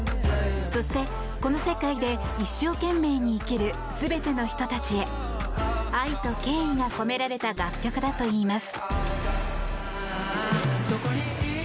そしてこの世界で一生懸命に生きる全ての人たちへ愛と敬意が込められた楽曲だといいます。